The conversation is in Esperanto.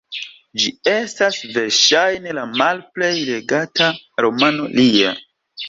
Ĝi estas verŝajne la malplej legata romano lia.